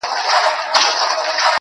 o سم پسرلى ترې جوړ سي.